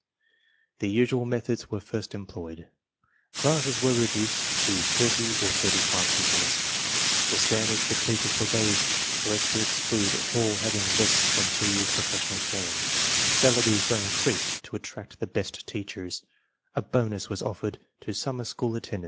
\The usual methods were first employed. Classes ( were" reduced to 30 or 35 pupils, the standards for teachers were raised so as to exclude all having less than two years' professional training, salaries were increased to attract the best teachers, a bonus was offered to summer school attendant?